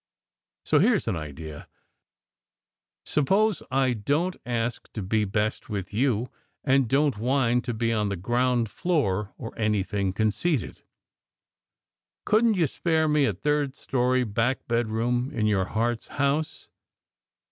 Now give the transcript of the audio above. So here s an idea: suppose I don t ask to be best with you, and don t whine to be on the ground floor or anything conceited? Couldn t you spare me a third story back bedroom in your heart s house?